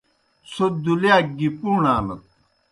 څھوْ دُلِیاک گیْ پُوݨانَت۔